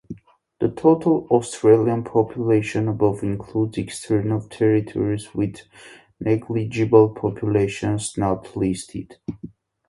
The total Australian population above includes external territories with negligible populations, not listed.